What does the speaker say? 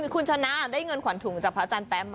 คุณชนะได้เงินขวัญถุงจากพระอาจารย์แป๊บมา